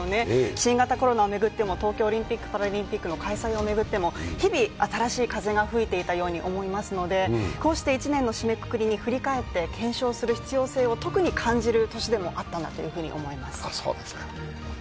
新型コロナを巡っても東京オリンピック・パラリンピックの開催を巡っても、日々新しい風が吹いていたように思いますので、こうして１年の締めくくりに振り返って検証する必要性を特に感じる年でもあったなと思います。